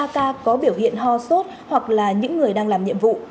ba ca có biểu hiện ho sốt hoặc là những người đang làm nhiệm vụ